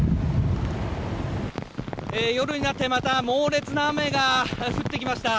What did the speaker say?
夜になって、また猛烈な雨が降ってきました。